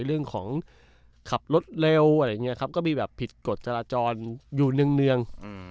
เรื่องของขับรถเร็วอะไรอย่างนี้ครับก็มีแบบผิดกฎจราจรอยู่เนื่อง